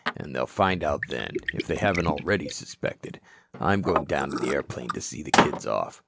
"And they'll find out then, if they haven't already suspected. I'm going down to the airplane to see the kids off."